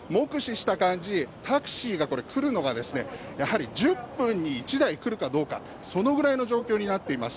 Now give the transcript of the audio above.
タクシーがこれ来るのかですね、やはり１０分に１台来るかどうか、そのぐらいの状況になっています。